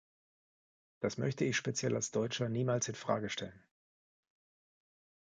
Das möchte ich speziell als Deutscher niemals in Frage stellen!